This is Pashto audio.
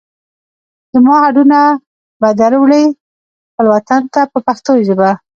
زما هډونه به در وړئ خپل وطن ته په پښتو ژبه.